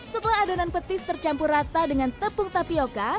setelah adonan petis tercampur rata dengan tepung tapioca